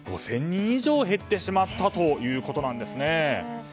人以上減ってしまったということなんです。